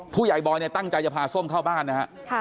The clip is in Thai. บอยเนี่ยตั้งใจจะพาส้มเข้าบ้านนะฮะ